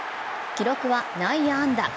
記録は内野安打。